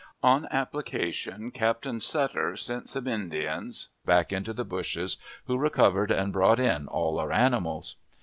On application, Captain Butter sent some Indians back into the bushes, who recovered and brought in all our animals.